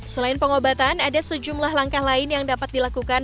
selain pengobatan ada sejumlah langkah lain yang dapat dilakukan